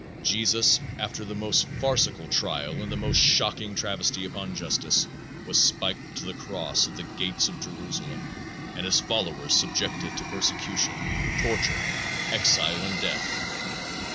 Jesus, after the most farcical trial and the most shocking travesty upon justice, was spiked to the cross at the gates of Jerusalem and his followers subjected to persecution, torture, exile and death.